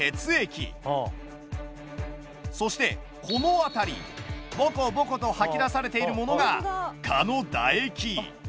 そしてこの辺りボコボコと吐き出されているものが蚊の唾液。